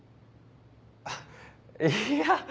あっいや。